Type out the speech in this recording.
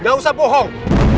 gak usah bohong